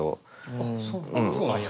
あっそうなん。